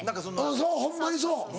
そうホンマにそう。